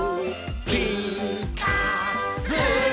「ピーカーブ！」